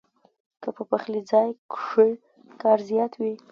کۀ پۀ پخلي ځائے کښې کار زيات وي